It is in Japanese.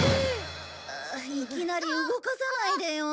いきなり動かさないでよ。